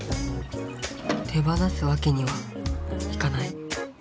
手放すわけにはいかない。